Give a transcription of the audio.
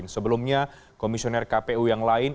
sebelumnya komisioner kpu yang lain